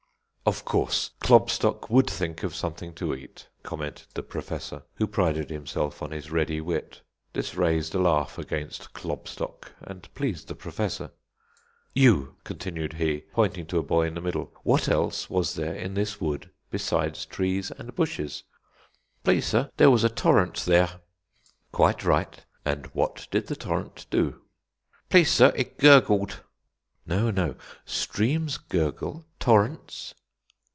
"Of course, Klobstock would think of something to eat," commented the Professor, who prided himself on his ready wit. This raised a laugh against Klobstock, and pleased the Professor. "You," continued he, pointing to a boy in the middle; "what else was there in this wood besides trees and bushes?" "Please, sir, there was a torrent there." "Quite right; and what did the torrent do?" "Please, sir, it gurgled." "No; no. Streams gurgle, torrents